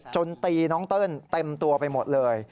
ตีน้องเติ้ลเต็มตัวไปหมดเลย